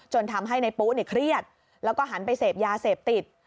ทำให้ในปุ๊เครียดแล้วก็หันไปเสพยาเสพติด